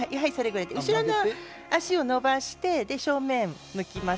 後ろの足を開いて正面を向きます。